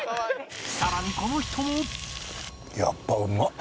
さらにこの人も